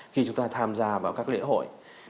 khi chúng ta tham gia vào các lễ hội